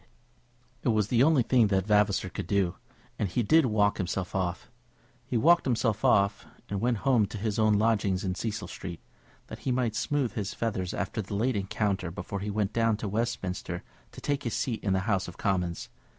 It was the only thing that Vavasor could do, and he did walk himself off. He walked himself off, and went home to his own lodgings in Cecil Street, that he might smooth his feathers after the late encounter before he went down to Westminster to take his seat in the House of Commons.